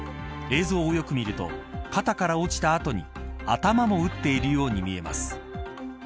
映像をよく見ると肩から落ちた後に頭も打っているように見えます。